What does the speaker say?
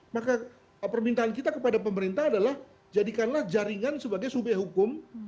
maka permintaan kita kepada pemerintah adalah jadikanlah jaringan sebagai subyek hukum